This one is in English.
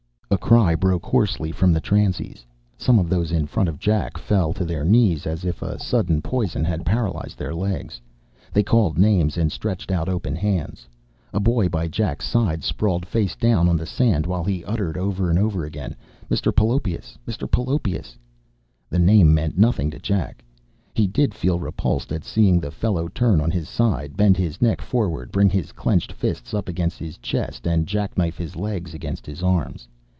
A cry broke hoarsely from the transies. Some of those in front of Jack fell to their knees as if a sudden poison had paralyzed their legs. They called names and stretched out open hands. A boy by Jack's side sprawled face down on the sand while he uttered over and over again, "Mr. Pelopoeus! Mr. Pelopoeus!" The name meant nothing to Jack. He did feel repulsed at seeing the fellow turn on his side, bend his neck forward, bring his clenched fists up against his chest, and jackknife his legs against his arms.